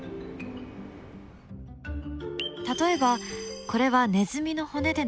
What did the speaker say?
例えばこれはネズミの骨での結果。